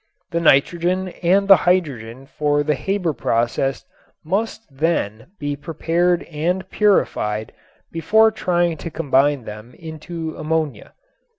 The nitrogen and the hydrogen for the Haber process must then be prepared and purified before trying to combine them into ammonia.